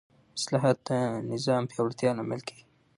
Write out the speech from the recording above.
اصلاحات د نظام د پیاوړتیا لامل کېږي